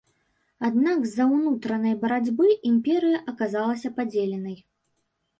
Аднак з-за ўнутранай барацьбы імперыя аказалася падзеленай.